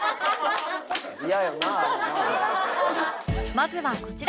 まずはこちら